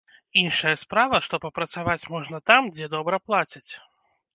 Іншая справа, што папрацаваць можна там, дзе добра плацяць.